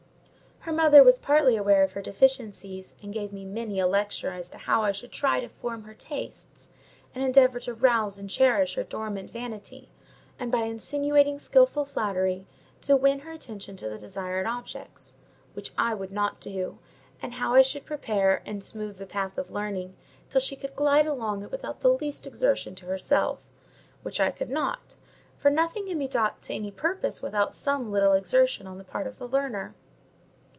Her mother was partly aware of her deficiencies, and gave me many a lecture as to how I should try to form her tastes, and endeavour to rouse and cherish her dormant vanity; and, by insinuating, skilful flattery, to win her attention to the desired objects—which I would not do; and how I should prepare and smooth the path of learning till she could glide along it without the least exertion to herself: which I could not, for nothing can be taught to any purpose without some little exertion on the part of the learner.